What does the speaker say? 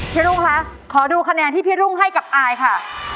พี่รุ่งคะขอดูคะแนนที่พี่รุ่งให้กับอายค่ะ